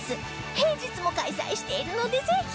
平日も開催しているのでぜひ！